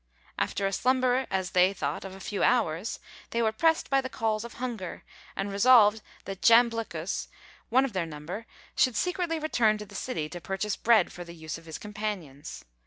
After a slumber as they thought of a few hours, they were pressed by the calls of hunger; and resolved that Jamblichus, one of their number, should secretly return to the city to purchase bread for the use of his companions.